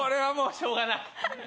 しょうがない。